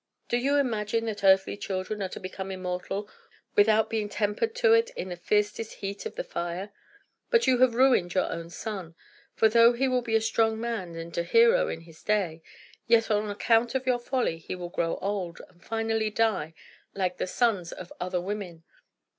Do you imagine that earthly children are to become immortal without being tempered to it in the fiercest heat of the fire? But you have ruined your own son. For though he will be a strong man and a hero in his day, yet, on account of your folly, he will grow old, and finally die, like the sons of other women.